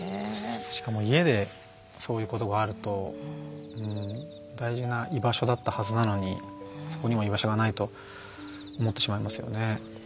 しかも家でそういうことがあると大事な居場所だったはずなのにそこにも居場所がないと思ってしまいますよね。